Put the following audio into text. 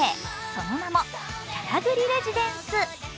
その名もキャラグリレジデンス。